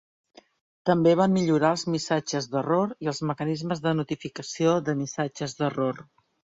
També van millorar els missatges d'error i els mecanismes de notificació de missatges d'error.